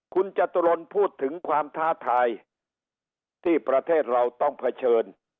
คุณจตุรนพูดถึงความท้าทายที่ประเทศเราต้องเผชิญ